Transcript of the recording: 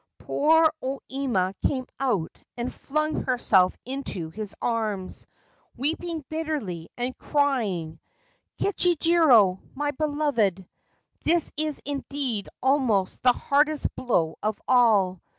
Poor O Ima came out and flung herself into his arms, weeping bitterly, and crying :' Kichijiro, my beloved ! this is indeed almost the hardest blow of all.